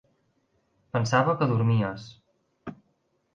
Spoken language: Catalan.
Pensava que dormies.